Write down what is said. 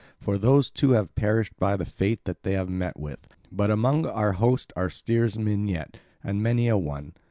For those two have perished by the fate they have met with; but among our host are steersmen yet, and many a one.